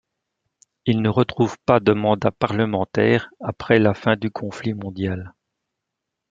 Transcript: Il ne retrouve pas de mandat parlementaire après la fin du conflit mondial.